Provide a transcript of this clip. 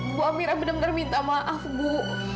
ibu amira benar benar minta maaf bu